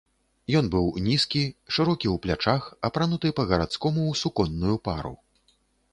Ён быў нізкі, шырокі ў плячах, апрануты па-гарадскому ў суконную пару.